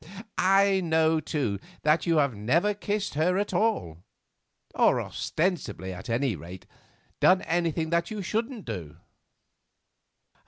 I know, too, that you have never kissed her at all; or, ostensibly at any rate, done anything that you shouldn't do."